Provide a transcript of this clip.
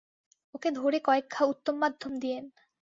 ওকে ধরে কয়েক ঘা উত্তম-মাধ্যম দিয়ে দিন।